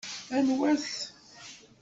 Anwa-t?